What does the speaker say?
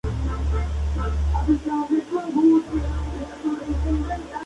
El ejercito patriota fue comandado por Simón Bolívar.